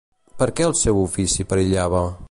Per què el seu ofici perillava?